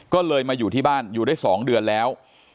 ก็เลยมาอยู่ที่บ้านอยู่ได้๒เดือนแล้ว